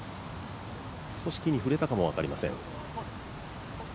少し、木に触れたかも分かりません。